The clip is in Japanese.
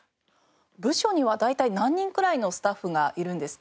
部署には大体何人くらいのスタッフがいるんですか？